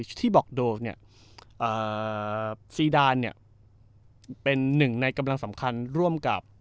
ที่บอกโดสเนี่ยซีดานเนี่ยเป็นหนึ่งในกำลังสำคัญร่วมกับ